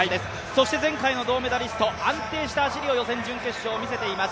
そして前回の銅メダリスト、安定した走りを予選、準決勝と見せています